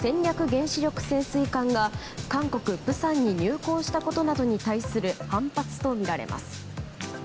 原子力潜水艦が韓国・釜山に入港したことなどに対する反発とみられます。